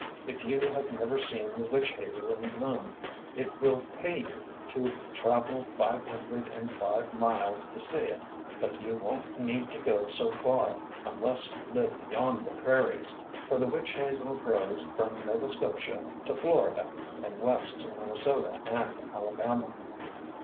If you have never seen the witch hazel in bloom, it will pay you to travel five hundred and five miles to see it. But you won’t need to go so far, unless you live beyond the prairies, for the witch hazel grows from Nova Scotia to Florida and west to Minnesota and Alabama.